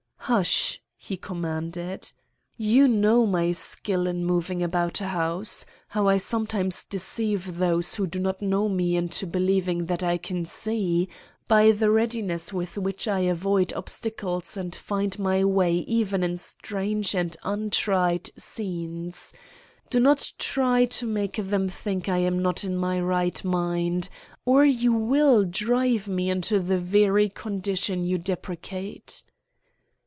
"Hush!" he commanded. "You know my skill in moving about a house; how I sometimes deceive those who do not know me into believing that I can see, by the readiness with which I avoid obstacles and find my way even in strange and untried scenes. Do not try to make them think I am not in my right mind, or you will drive me into the very condition you deprecate."